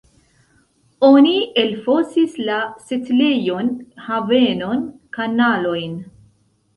Oni elfosis la setlejon, havenon, kanalojn.